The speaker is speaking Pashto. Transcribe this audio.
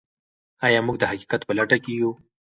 آیا موږ د حقیقت په لټه کې یو؟